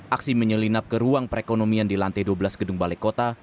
aksi menyelinap ke ruang perekonomian di lantai dua belas gedung balai kota